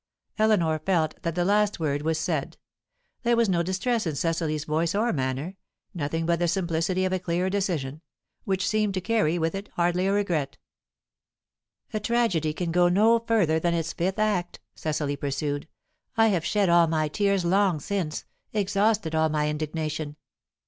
Eleanor felt that the last word was said. There was no distress in Cecily's voice or manner, nothing but the simplicity of a clear decision, which seemed to carry with it hardly a regret. "A tragedy can go no further than its fifth act," Cecily pursued. "I have shed all my tears long since, exhausted all my indignation.